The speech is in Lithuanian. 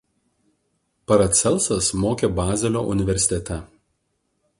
Paracelsas mokė Bazelio universitete.